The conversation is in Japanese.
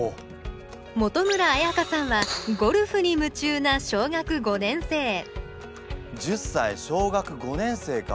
本村彩歌さんはゴルフに夢中な小学５年生１０歳小学５年生か。